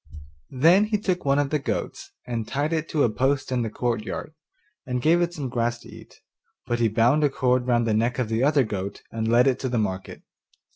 Then he took one of the goats and tied it to a post in the courtyard, and gave it some grass to eat; but he bound a cord round the neck of the other goat and led it to the market.